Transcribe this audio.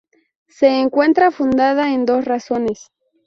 Se encuentra fundada en dos razones.